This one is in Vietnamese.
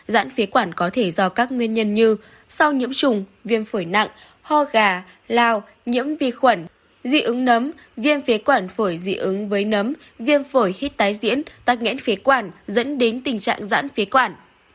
giãn phế quản có thể do các nguyên nhân như sau nhiễm trùng viêm phổi nặng ho gà lao nhiễm vi khuẩn dị ứng nấm viêm phế quản phổi dị ứng với nấm viêm phổi hít tái diễn tắc nghẽn phế quản dẫn đến tình trạng giãn phế quản